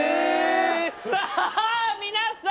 ・さあ皆さん！